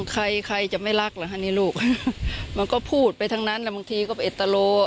ใครใครจะไม่รักล่ะค่ะเนี่ยลูกมันก็พูดไปทั้งนั้นแล้วบางทีก็เอ็ดตะโล